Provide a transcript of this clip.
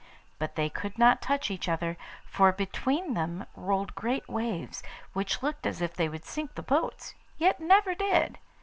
But they could not touch each other, for between them rolled great waves, which looked as if they would sink the boats, yet never did.